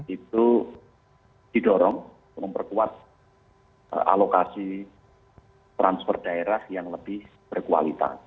itu didorong untuk memperkuat alokasi transfer daerah yang lebih berkualitas